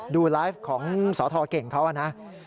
ดูไลฟ์ของสทเก่งเขานะ